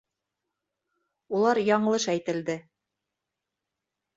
Улар яңылыш әйтелде.